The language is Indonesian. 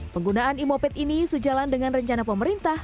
penggunaan imoped ini sejalan dengan rencana pemerintah